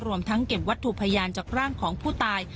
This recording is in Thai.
รวมทั้งเก็บวัตถุพยานจากร่างของผู้ตาย